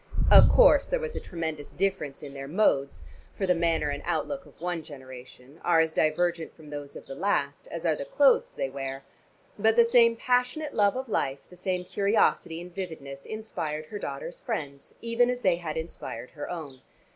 Of course there was a tremendous difference in their modes, for the manners and outlook of one generation are as divergent from those of the last, as are the clothes they wear, but the same passionate love of life, the same curiosity and vividness inspired her daughter's friends, even as they had inspired her own.